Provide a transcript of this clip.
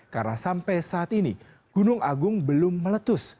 karena sampai saat ini gunung agung belum meletus